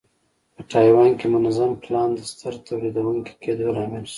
په تایوان کې منظم پلان د ستر تولیدوونکي کېدو لامل شو.